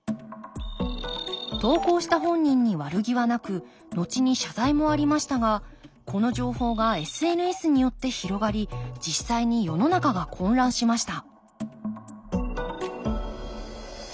投稿した本人に悪気はなくのちに謝罪もありましたがこの情報がＳＮＳによって広がり実際に世の中が混乱しました